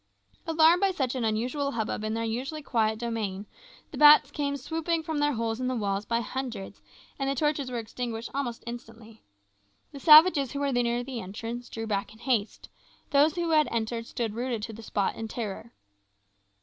Alarmed by such an unusual hubbub in their usually quiet domain, the bats came swooping from their holes in the walls by hundreds, and the torches were extinguished almost instantly. The savages who were near the entrance drew back in haste; those who had entered stood rooted to the spot in terror.